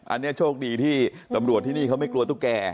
อันนี้โชคดีที่ตำรวจที่นี่เขาไม่กลัวตุ๊กแก่